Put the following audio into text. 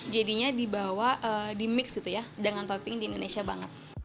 jadinya dibawa di mix gitu ya dengan topping di indonesia banget